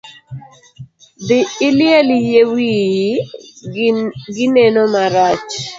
Dhii iliel yie wiyi , gi neno marach.